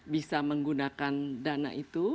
bisa menggunakan dana itu